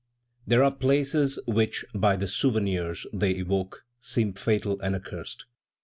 There are places which, by the very souvenirs they evoke, seem fatal and accursed.